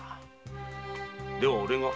では俺が。